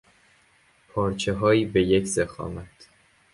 پارچههایی به یک ضخامت